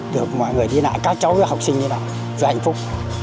được mọi người đi nải các cháu các học sinh đi nải vui hạnh phúc